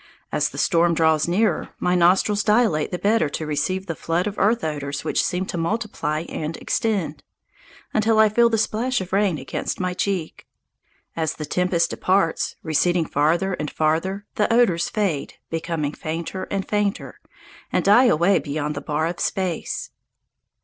As the storm draws nearer, my nostrils dilate the better to receive the flood of earth odours which seem to multiply and extend, until I feel the splash of rain against my cheek. As the tempest departs, receding farther and farther, the odours fade, become fainter and fainter, and die away beyond the bar of space.